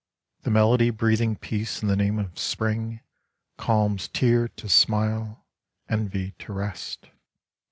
I The melody breathing peace in the name of Spring, calms tear to smile, envy to rest.